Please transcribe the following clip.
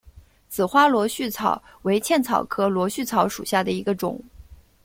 紫花螺序草为茜草科螺序草属下的一个种。